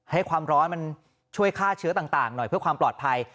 ให้ความร้อนมันช่วยฆ่าเชื้อต่างหน่อยเพื่อความปลอดภัย